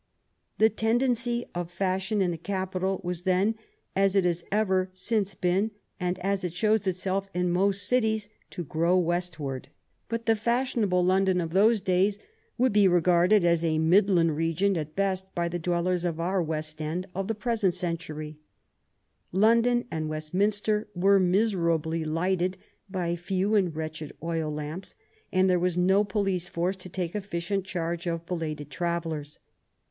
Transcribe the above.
The tendency of fashion in the capital was then, as it has ever since been and as it shows itself in most cities, to grow westward, 28 WHAT THE QUEEN CAME TO— AT HOME but the fashionable London of those days would be re garded as a midland region at best by the dwellers in our West End of the present century. London and West minster were miserably lighted by few and wretched oil lamps, and there was no police force to take efficient charge of belated travellers.